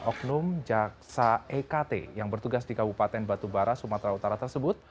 oknum jaksa ekt yang bertugas di kabupaten batubara sumatera utara tersebut